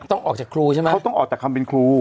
ต้องออกจากครูใช่ไหม